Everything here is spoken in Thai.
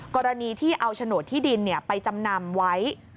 กรณีที่เอาโฉนดที่ดินไปจำนำไว้